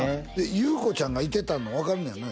裕子ちゃんがいてたの分かるんやね